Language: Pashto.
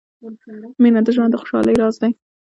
• مینه د ژوند د خوشحالۍ راز دی.